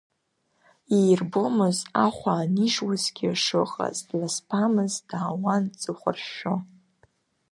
Иирбомызт ахәа анижуазгьы шыҟаз, дласбамыз, даауан дҵыхәаршәшәо.